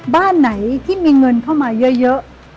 บ้านไหนที่มีเงินเข้ามาเยอะ